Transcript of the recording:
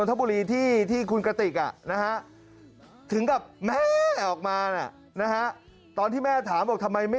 ทบุรีที่คุณกระติกนะฮะถึงกับแม่ออกมานะฮะตอนที่แม่ถามบอกทำไมไม่